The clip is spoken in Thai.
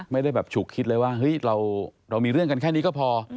ไม่ได้แบบฉุกคิดเลยว่าเฮ้ยเรามีเรื่องกันแค่นี้ก็พอ